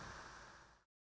các vụ sau